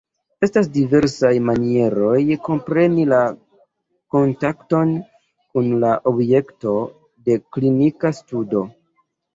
Estas diversaj manieroj kompreni la kontakton kun la objekto de klinika studo.